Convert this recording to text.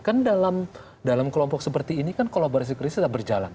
kan dalam kelompok seperti ini kan kolaborasi krisis berjalan